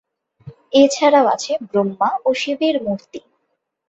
এছাড়াও আছে ব্রহ্মা ও শিবের মূর্তি।